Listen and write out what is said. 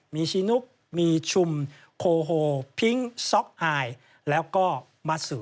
มีชีนุกมีชุมโคโฮพิงซ็อกไฮแล้วก็มาสู่